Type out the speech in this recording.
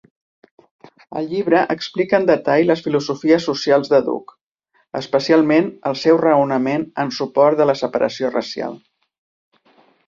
El llibre explica en detall les filosofies socials de Duke, especialment el seu raonament en suport de la separació racial.